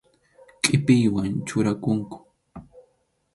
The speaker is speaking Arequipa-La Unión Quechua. Qʼipiyman churakunku.